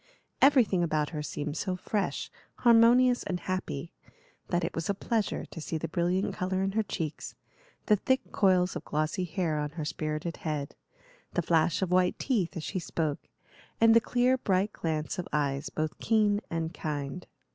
Everything about her seemed so fresh, harmonious, and happy, that it was a pleasure to see the brilliant color in her cheeks, the thick coils of glossy hair on her spirited head, the flash of white teeth as she spoke, and the clear, bright glance of eyes both keen and kind.